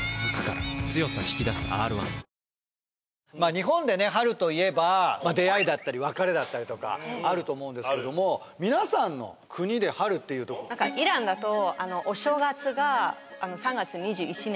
日本でね春といえば出会いだったり別れだったりとかあると思うんですけれどもみなさんの国で春っていうとえっお正月が？